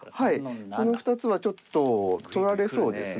この２つはちょっと取られそうですね。